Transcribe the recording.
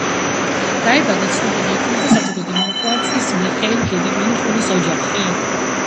დაიბადა ცნობილი ექიმის და საზოგადო მოღვაწის მიხეილ გედევანიშვილის ოჯახში.